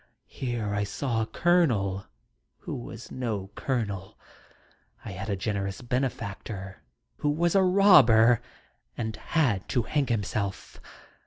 Here I saw a Colonel who was no colonel. I had a generous benefactor who was a robber and had to hang himself.